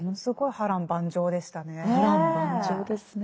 波乱万丈ですね。